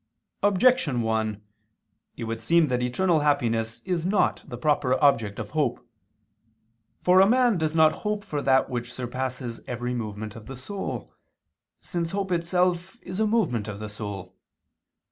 Objection 1: It would seem that eternal happiness is not the proper object of hope. For a man does not hope for that which surpasses every movement of the soul, since hope itself is a movement of the soul.